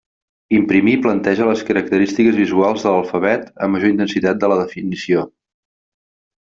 Imprimir planteja les característiques visuals de l'alfabet a major intensitat de la definició.